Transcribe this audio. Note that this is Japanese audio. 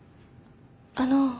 あの。